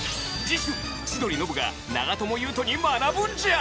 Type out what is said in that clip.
次週千鳥ノブが長友佑都に学ぶんじゃ！